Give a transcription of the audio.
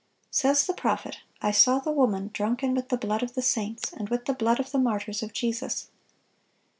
Says the prophet, "I saw the woman drunken with the blood of the saints, and with the blood of the martyrs of Jesus."